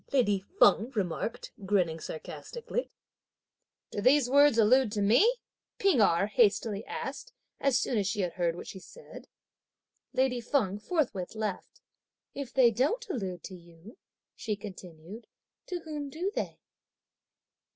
lady Feng remarked grinning sarcastically. "Do these words allude to me?" P'ing Erh hastily asked, as soon as she had heard what she said. Lady Feng forthwith laughed. "If they don't allude to you," she continued, "to whom do they?"